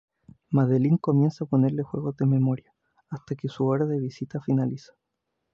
Madeline comienza a ponerles juegos de memoria, hasta que su hora de visita finaliza.